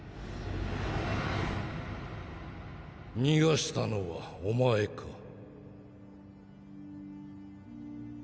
逃がしたのはお前か。